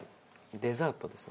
デザートですね。